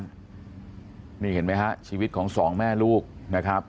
เข้าไปในร้านนี่เห็นมั้ยฮะชีวิตของสองแม่ลูกนะครับ